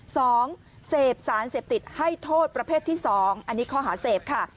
สองเสพสารเสพติดให้โทษประเภทที่สองอันนี้ข้อหาเสพค่ะ